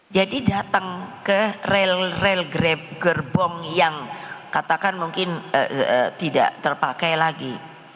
jadi datang ke rel rel gerbong yang katakan mungkin tidak terpakai lagi